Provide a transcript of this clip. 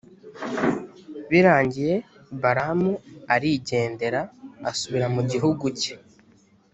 birangiye balamu arigendera asubira mu gihugu cye.